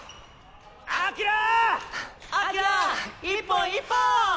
１本１本！